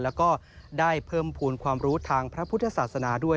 แล้วก็ได้เพิ่มภูมิความรู้ทางพระพุทธศาสนาด้วย